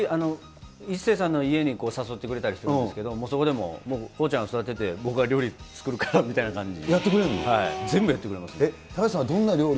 一生さんの家に誘ってくれたりもするんですけど、そこでも、康ちゃん座ってて、僕が料理作るからっていう感じで。